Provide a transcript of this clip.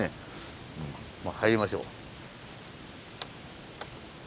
まあ入りましょう。